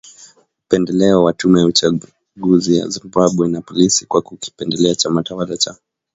upendeleo wa tume ya uchaguzi ya Zimbabwe, na polisi kwa kukipendelea chama tawala cha